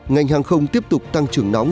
ngành hàng không tiếp tục tăng trưởng nóng